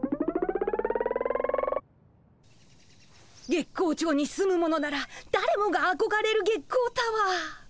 月光町に住む者ならだれもがあこがれる月光タワー。